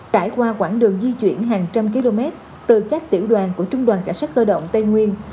trải qua quãng đường di chuyển hàng trăm km từ các tiểu đoàn của trung đoàn cảnh sát cơ động tây nguyên